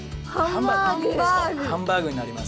ハンバーグになりますね。